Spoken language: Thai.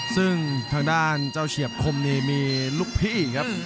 ซึ่งทางด้านเจ้าเฉียบคมนี่มีลูกพี่ครับ